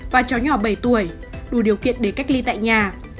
và cháu nhỏ bảy tuổi đủ điều kiện để cách ly tại nhà